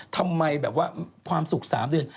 ทำไมแบบว่าความสุข๓เดือน